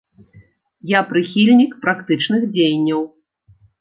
Я прыхільнік практычных дзеянняў.